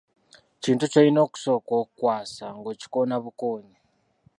Kintu ky’olina okusooka okwasa ng’okikoona bukoonyi.